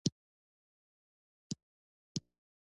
د زرکول جهیل په پامیر کې دی